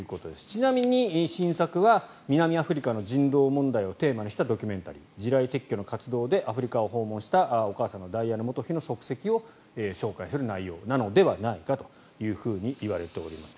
ちなみに、新作は南アフリカの人道問題をテーマにしたドキュメンタリー地雷撤去の活動でアフリカを訪問したお母様のダイアナ元妃の足跡を紹介する内容なのではないかといわれています。